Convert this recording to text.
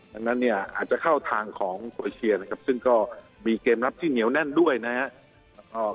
ดังนั้นเนี่ยอาจจะเข้าทางของเอเชียนะครับซึ่งก็มีเกมรับที่เหนียวแน่นด้วยนะครับ